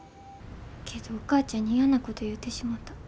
けどお母ちゃんに嫌なこと言うてしもた。